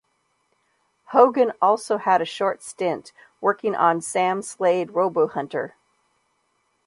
Hogan also had a short stint working on "Sam Slade, Robo-Hunter".